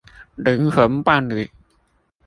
靈魂伴侶